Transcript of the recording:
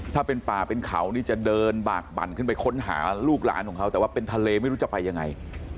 ถ้าเป็นป่าเป็นเขานี่จะเดินบากบั่นขึ้นไปค้นหาลูกหลานของเขาแต่ว่าเป็นทะเลไม่รู้จะไปยังไง